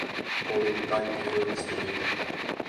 Olimme kaikki hölmistyneitä.